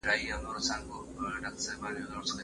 په دغه ودانۍ کي د ډېرو خلکو ارمانونه مړه سول.